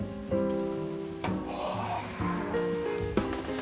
はあ。